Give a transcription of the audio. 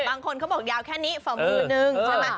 บางคนเขาบอกยาวแค่นี้ฝ่ามือนึงใช่ไหม